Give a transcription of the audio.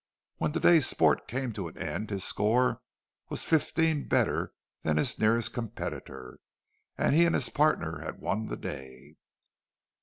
When the day's sport came to an end his score was fifteen better than his nearest competitor, and he and his partner had won the day.